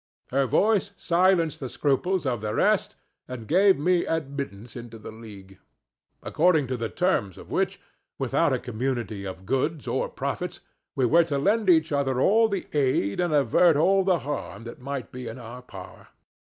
Her voice silenced the scruples of the rest and gained me admittance into the league; according to the terms of which, without a community of goods or profits, we were to lend each other all the aid and avert all the harm that might be in our power.